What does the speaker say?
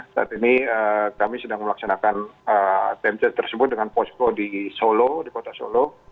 saat ini kami sedang melaksanakan temset tersebut dengan posko di solo di kota solo